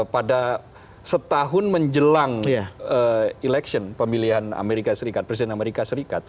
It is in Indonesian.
pada setahun menjelang election pemilihan amerika serikat presiden amerika serikat